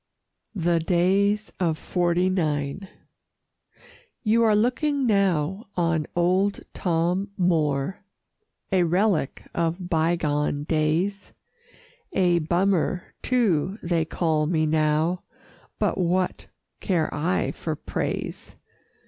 "THE DAYS OF 'FORTY NINE" You are looking now on old Tom Moore, A relic of bygone days; A Bummer, too, they call me now, But what care I for praise?